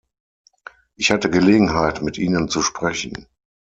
Ich hatte Gelegenheit, mit ihnen zu sprechen.